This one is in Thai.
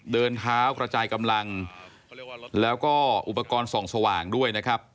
เดินเท้ากระจายกำลังแล้วก็อุปกรณ์ส่องสว่างด้วยนะครับ